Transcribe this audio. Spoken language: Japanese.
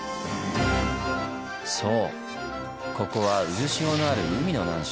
ここは渦潮のある海の難所。